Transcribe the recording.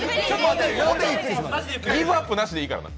ギブアップなしでいくからな。